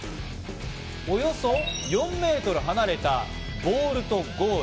およそ４メートル離れたボールとゴール。